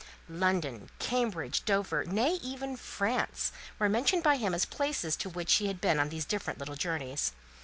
London, Cambridge, Dover, nay, even France, were mentioned by him as places to which he had been on these different little journeys.